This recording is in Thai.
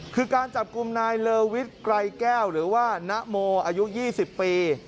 คือการจับกลุ่มนายเลอวิทย์ไกรแก้วหรือว่านโมอายุ๒๐ปี